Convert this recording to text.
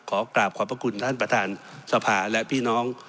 ขอกราบขอบพระคุณท่านประธานสภาและพี่น้อง